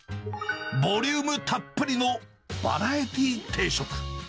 ボリュームたっぷりのバラエティ定食。